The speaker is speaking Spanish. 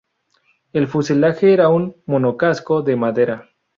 El fuselaje era un monocasco de madera.